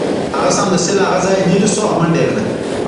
هغه سمدستي له هغه ځایه لیرې شو او منډه یې کړه